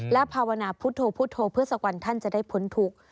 และภาวนาพุทธโธเพื่อสักวันท่านจะได้พ้นทุกข์